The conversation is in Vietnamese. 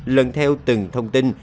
lần theo từng thông tin